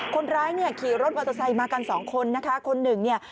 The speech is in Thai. คนร้ายเนี้ยขี่รถอัตโสไซค์มากันสองคนนะคะ